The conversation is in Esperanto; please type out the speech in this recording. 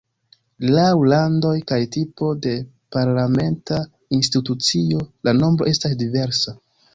Laŭ landoj kaj tipo de parlamenta institucio la nombro estas diversa.